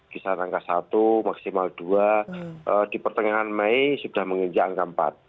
kisaran angka satu maksimal dua di pertengahan mei sudah menginjak angka empat